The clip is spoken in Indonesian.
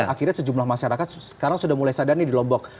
akhirnya sejumlah masyarakat sekarang sudah mulai sadar nih di lombok